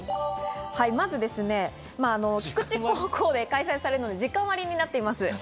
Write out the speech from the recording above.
まず、菊池高校で開催されるので時間割になっています。